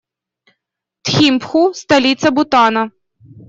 Тхимпху - столица Бутана.